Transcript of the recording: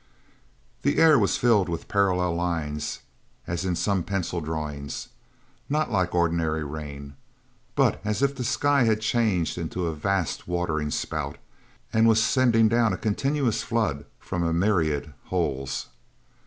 The air was filled with parallel lines, as in some pencil drawings not like ordinary rain, but as if the sky had changed into a vast watering spout and was sending down a continuous flood from a myriad holes.